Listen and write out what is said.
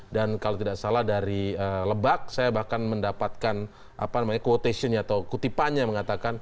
dan kalau tidak salah dari lebak saya bahkan mendapatkan quotation atau kutipannya mengatakan